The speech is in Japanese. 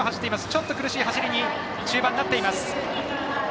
ちょっと苦しい走りに中盤なっています。